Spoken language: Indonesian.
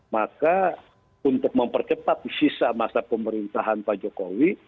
maka untuk mempercepat sisa masa pemerintahan pak jokowi